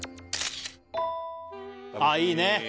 ああいいね